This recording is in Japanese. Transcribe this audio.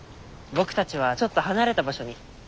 僕たちはちょっと離れた場所に。